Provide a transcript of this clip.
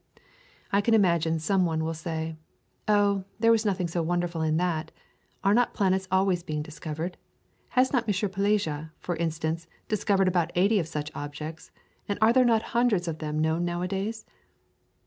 I can imagine some one will say, "Oh, there was nothing so wonderful in that; are not planets always being discovered? Has not M. Palisa, for instance, discovered about eighty of such objects, and are there not hundreds of them known nowadays?"